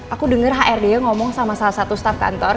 aku dengar hrd nya ngomong sama salah satu staf kantor